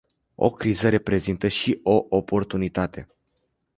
O criză reprezintă și o oportunitate.